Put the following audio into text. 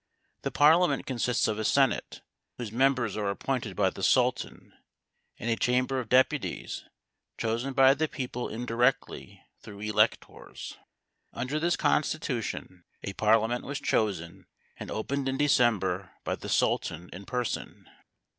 The Parliament consists of a Senate, whose members are appointed by the Sultan, and a Chamber of Deputies chosen by the people indirectly through electors. Under this constitution a parliament was chosen and opened in December by the Sultan in person.